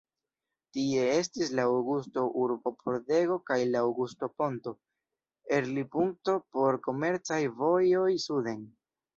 Tie estis la Aŭgusto-urbopordego kaj la Aŭgusto-ponto, elirpunkto por komercaj vojoj suden.